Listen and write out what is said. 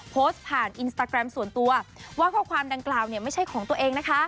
โพสต์ผ่านอินสตาแกรมส่วนตัวว่าข้อความดังกล่าวเนี่ยไม่ใช่ของตัวเองนะคะ